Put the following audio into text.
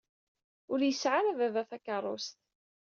Ur yesɛi ara baba takeṛṛust.